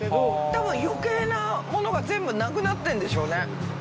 たぶん余計なものが全部なくなってんでしょうね。